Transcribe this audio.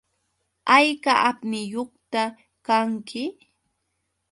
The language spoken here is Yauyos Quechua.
¿Hayka apniyuqta kanki?